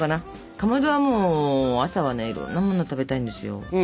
かまどはもう朝はいろんなものが食べたいんですよ。